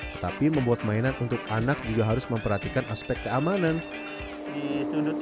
tetapi membuat mainan untuk anak juga harus memperhatikan aspek yang penting untuk anak